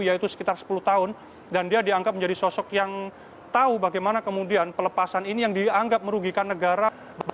yaitu sekitar sepuluh tahun dan dia dianggap menjadi sosok yang tahu bagaimana kemudian pelepasan ini yang dianggap merugikan negara